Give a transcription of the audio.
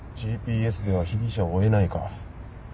ＧＰＳでは被疑者を追えないか。